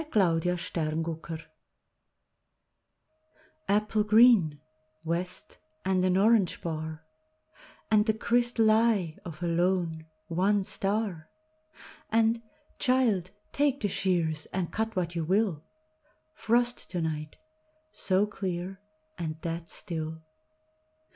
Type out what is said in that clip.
Thomas "Frost To Night" APPLE GREEN west and an orange bar, And the crystal eye of a lone, one star …And, "Child, take the shears and cut what you will, Frost to night—so clear and dead still."